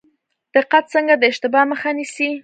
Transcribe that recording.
دقت څنګه د اشتباه مخه نیسي؟